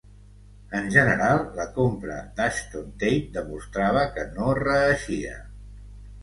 En general, la compra d'Ashton-Tate demostrava que no reeixia.